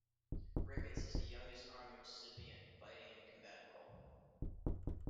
Ricketts is the youngest army recipient fighting in a combatant role.